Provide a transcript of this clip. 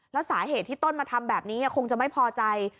แล้วสาเหตุที่ต้นมาทำแบบนี้คงจะไม่พอใจ